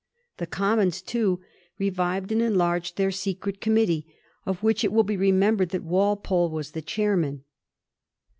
The Commons, too, revived and enlarged their secret committee, of which it will be remembered that Walpole was the chairman.